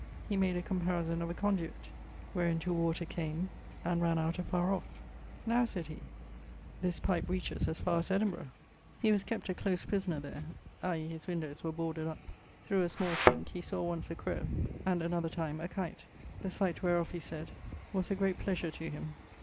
He made a comparison of a conduit, whereinto water came, and ran out afarre off. 'Now,' said he, 'this pipe reaches as far as Edinborough.' He was kept a 'close prisoner' there, i.e., his windowes were boarded up. Through a small chinke he sawe once a crowe, and another time, a kite; the sight whereof, he sayd, was a great pleasure to him.